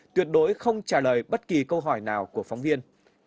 tuyệt đối không trả lời bất kỳ câu hỏi nào của phóng viên